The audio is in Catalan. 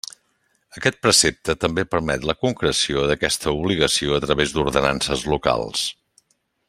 Aquest precepte també permet la concreció d'aquesta obligació a través d'ordenances locals.